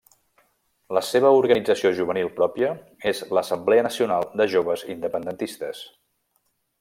La seva organització juvenil pròpia és l'Assemblea Nacional de Joves Independentistes.